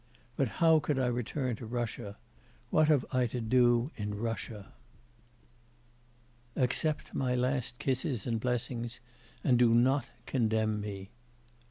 But how could I return to Russia; What have I to do in Russia? 'Accept my last kisses and blessings, and do not condemn me.